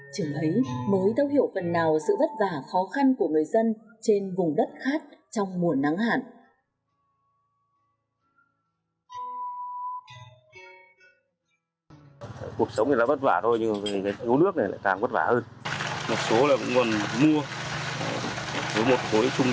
chỉ lấy mới thấu hiểu phần nào sự vất vả khó khăn của người dân trên vùng đất khác trong mùa nắng hẳn